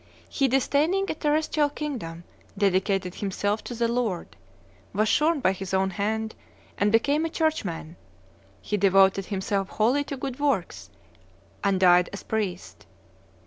He, disdaining a terrestrial kingdom, dedicated himself to the Lord, was shorn by his own hand, and became a church man: he devoted himself wholly to good works, and died a priest.